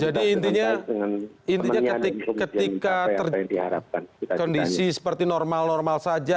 intinya ketika kondisi seperti normal normal saja